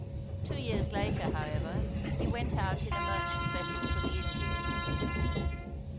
Two years later, however, he went out in a merchant vessel to the Indies.